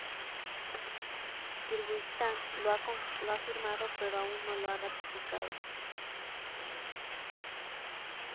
Kirguistán lo ha firmado pero aún no lo ha ratificado.